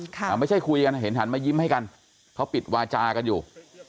ไม่ใช่คุยกันนะเห็นหันมายิ้มให้กันเขาปิดวาจากันอยู่